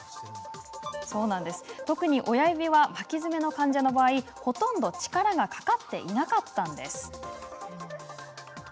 特に親指は、巻き爪の患者の場合ほとんど力がかかっていなかったんです。